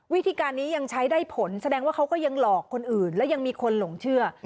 วิธีการนี้ยังใช้ได้ผลแสดงว่าเขาก็ยังหลอกคนอื่นและยังมีคนหลงเชื่อ